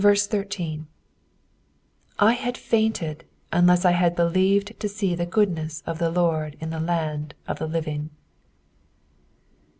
13 / had fainted, unless I had believed to see the goodness of the I^ORD in the land of the living.